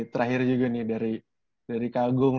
terakhir juga nih dari kak agung